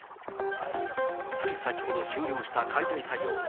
つい先ほど終了した解体作業。